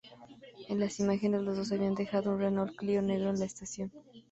En las imágenes, los dos habían dejado un Renault Clio negro en la estación.